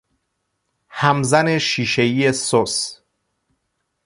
همزن شیشه ای سس